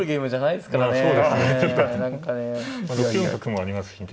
６四角もありますしね。